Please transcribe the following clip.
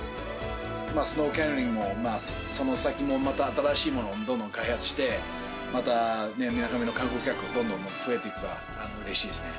スノーキャニオニングも、その先もまた、新しいものをどんどん開発して、また、みなかみの観光客がどんどん増えていけばうれしいですね。